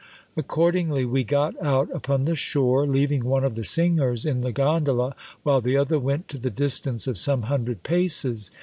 Accordingly we got out upon the shore, leaving one of the singers in the gondola, while the other went to the distance of some hundred paces.